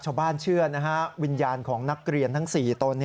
ชาวบ้านเชื่อวิญญาณของนักเรียนทั้ง๔ต้น